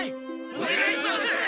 おねがいします！